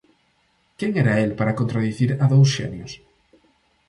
Quen era el para contradicir a dous xenios?